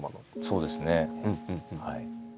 そうですねはい。